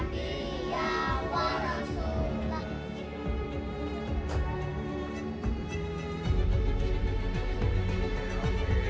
saya merasa terlalu baik